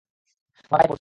তোমার পায়ে পড়ছি!